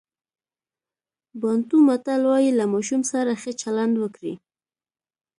بانټو متل وایي له ماشوم سره ښه چلند وکړئ.